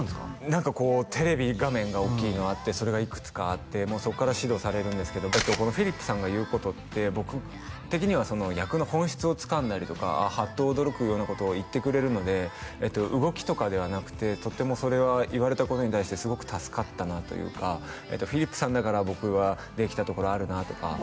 何かこうテレビ画面が大きいのあってそれがいくつかあってそこから指導されるんですけどフィリップさんが言うことって僕的には役の本質をつかんだりとかハッと驚くようなことを言ってくれるので動きとかではなくてとってもそれは言われたことに対してすごく助かったなというかフィリップさんだから僕はできたところあるなとか